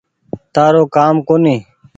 تآرو ڪآم ڪونيٚ